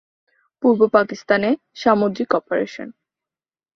পূর্ব পাকিস্তানে সামুদ্রিক অপারেশন।